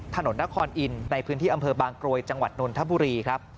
ถนนนครอินทร์ในพื้นที่อำเภอบางกรวยจังหวัดนนทบุรีครับ